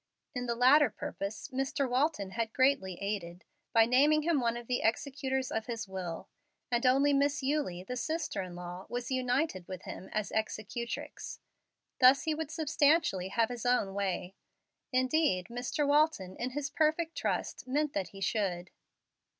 In the latter purpose Mr. Walton had greatly aided by naming him one of the executors of his will; and only Miss Eulie, the sister in law, was united with him as executrix. Thus he would substantially have his own way. Indeed, Mr. Walton, in his perfect trust, meant that he should.